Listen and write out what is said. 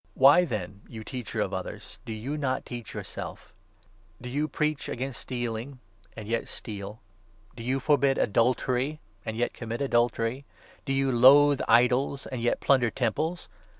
Why, then, you teacher 21 of others, do not you teach yourself ? Do you preach against stealing, and yet steal ? Do you forbid adultery, and yet com 22 mit adultery ? Do you loathe idols, and yet plunder temples